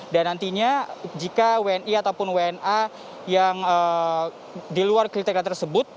dan nantinya jika wni ataupun wna yang di luar kriteria tersebut